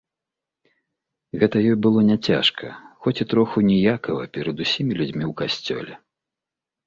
Гэта ёй было не цяжка, хоць і троху ніякава перад усімі людзьмі ў касцёле.